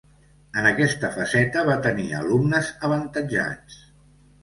En aquesta faceta va tenir alumnes avantatjats.